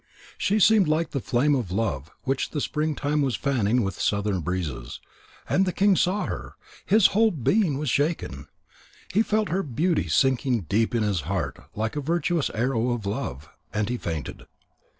She seemed like the flame of love which the spring time was fanning with southern breezes. And the king saw her, and his whole being was shaken. He felt her beauty sinking deep in his heart like a victorious arrow of Love, and he fainted.